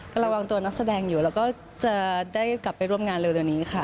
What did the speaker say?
ก็ระวังตัวนักแสดงอยู่แล้วก็จะได้กลับไปร่วมงานเร็วนี้ค่ะ